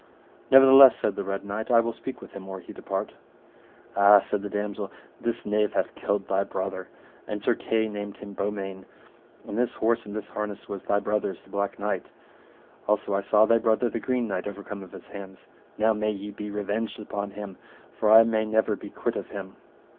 Nevertheless, said the Red Knight, I will speak with him or he depart. Ah, said the damosel, this knave hath killed thy brother, and Sir Kay named him Beaumains, and this horse and this harness was thy brother's, the Black Knight. Also I saw thy brother the Green Knight overcome of his hands. Now may ye be revenged upon him, for I may never be quit of him.